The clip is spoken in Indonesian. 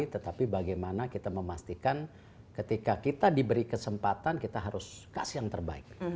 tetapi bagaimana kita memastikan ketika kita diberi kesempatan kita harus kasih yang terbaik